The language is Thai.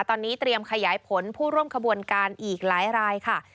ตอนนี้เตรียมขยายผลผู้ร่วมขบวนการอีกหลายรายค่ะ